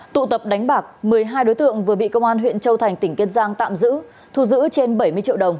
tụ tập đánh bạc một mươi hai đối tượng vừa bị công an huyện châu thành tỉnh kiên giang tạm giữ thu giữ trên bảy mươi triệu đồng